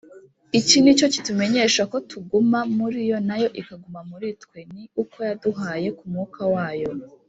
Iki ni cyo kitumenyesha ko tuguma muri yo na yo ikaguma muri twe, ni uko yaduhaye ku Mwuka wayo.